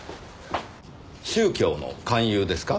宗教の勧誘ですか？